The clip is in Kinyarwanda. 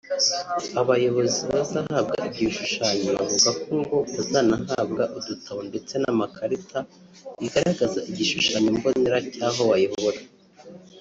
Abayobozi bazahabwa ibyo bishushanyo bavuga ko ngo bazanahabwa udutabo ndetse n’amakarita bigaragaza igishushanyo mbonera cy’aho bayobora